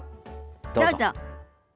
どうぞ。